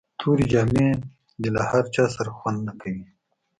توري جامي د له هر چا سره خوند نه کوي.